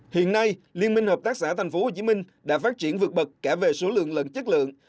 hiện nay liên minh hợp tác xã tp hcm đã phát triển vượt bậc cả về số lượng lẫn chất lượng